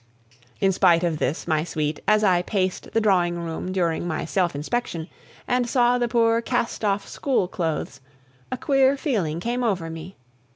In spite of this, my sweet, as I paced the drawing room during my self inspection, and saw the poor cast off school clothes, a queer feeling came over me.